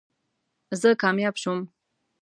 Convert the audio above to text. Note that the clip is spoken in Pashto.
زه کامیاب شوم